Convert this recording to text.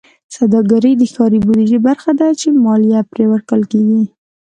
سوداګرۍ د ښاري بودیجې برخه ده چې مالیه پرې ورکول کېږي.